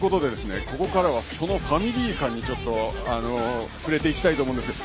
ここからはそのファミリー感に触れていきたいと思います。